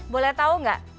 boleh tahu nggak